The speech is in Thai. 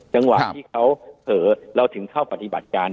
จังหวะที่เขาเผลอเราถึงเข้าปฏิบัติการ